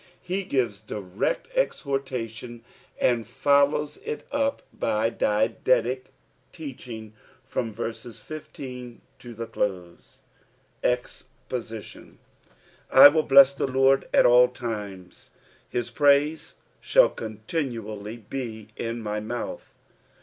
he gives dired exhorialion, and foUoas it up by didaelic teach ing from verses 15 to Ihe close. ■ EXPOSITION. I WILL bless the LORD at all times : his praise fi^n// continually bf in my mouth.